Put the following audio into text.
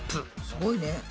すごいね。